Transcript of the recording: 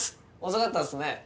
遅かったですね。